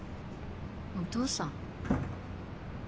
お父さん？